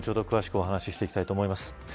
詳しくお話していきたいと思います。